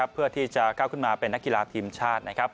เพื่อที่จะก้าวขึ้นมาเป็นนักกีฬาทีมชาติ